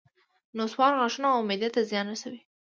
نصوار غاښونو او معدې ته زیان رسوي